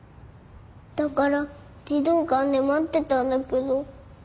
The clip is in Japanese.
だから児童館で待ってたんだけど。